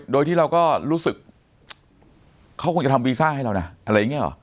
โดยที่เราก็รู้สึกเขาคงจะทำวีซ่าให้เรานะอะไรอย่างนี้หรอ